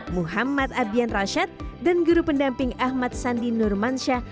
muhammad abiyan rashad dan guru pendamping ahmad sandi nurmansyah